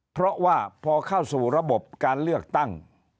เพราะว่าพอเข้าสู่ระบบการเลือกตั้ง